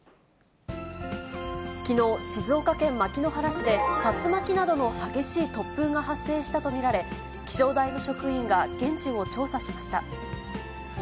きのう、静岡県牧之原市で竜巻などの激しい突風が発生したと見られ、気象台の職員が現地を調査しました。